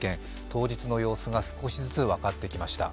当日の様子が少しずつ分かってきました。